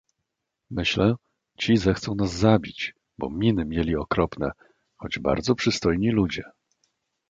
"myślę, ci zechcą nas zabić, bo miny mieli okropne, choć bardzo przystojni ludzie."